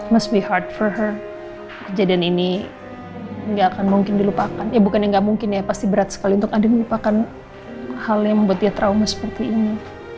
must be hard for her kejadian ini gak akan mungkin dilupakan ya bukannya gak mungkin ya pasti berat sekali untuk andin melupakan hal yang membuat dia trauma seperti ini